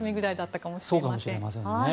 そうかもしれませんね。